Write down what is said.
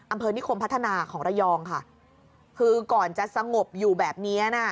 นิคมพัฒนาของระยองค่ะคือก่อนจะสงบอยู่แบบเนี้ยนะ